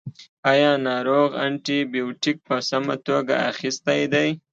ایا ناروغ انټي بیوټیک په سمه توګه اخیستی دی.